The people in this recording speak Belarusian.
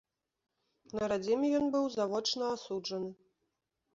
На радзіме ён быў завочна асуджаны.